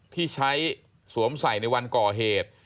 ที่ใช้สวมใส่ในวันก่อเหตุ